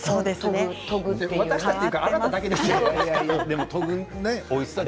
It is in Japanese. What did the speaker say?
私たちというかあなただけですよ。